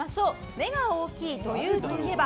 目が大きい女優といえば？